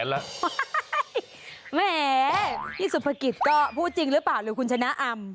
แหมพี่สุภกิจก็พูดจริงหรือเปล่าหรือคุณชนะอำ